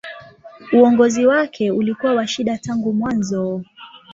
Uongozi wake ulikuwa wa shida tangu mwanzo.